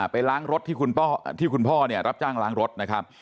ไปล้างรถที่คุณพ่อเนี่ยรับจ้างล้างรถนะครับ